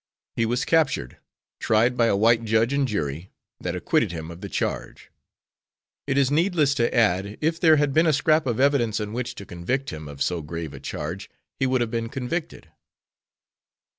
He was captured, tried by a white judge and jury, that acquitted him of the charge. It is needless to add if there had been a scrap of evidence on which to convict him of so grave a charge he would have been convicted.